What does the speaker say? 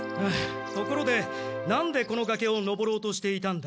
ところでなんでこのがけを登ろうとしていたんだ？